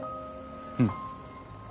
うん。